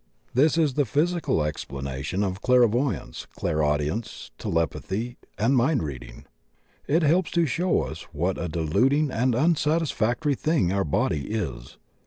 This is the physi cal explanation of clairvoyance, clairaudience, telepa thy, and mind reading. It helps to show us what a deluding and unsatisfactory thing our body is.